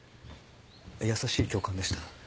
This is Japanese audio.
優しい教官でした。